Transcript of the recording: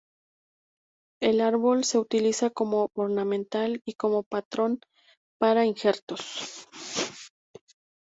El árbol se utiliza como ornamental y como patrón para injertos.